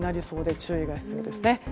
注意が必要です。